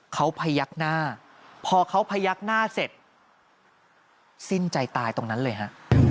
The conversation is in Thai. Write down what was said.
เขาพยักหน้าพอเขาพยักหน้าเสร็จสิ้นใจตายตรงนั้นเลยฮะ